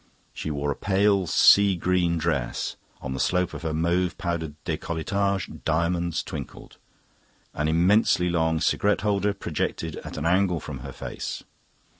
She wore a pale sea green dress; on the slope of her mauve powdered decolletage diamonds twinkled. An immensely long cigarette holder projected at an angle from her face.